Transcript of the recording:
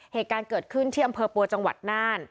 เหตุการณ์เกิดขึ้นที่อำเภอปัวจังหวัดน่าน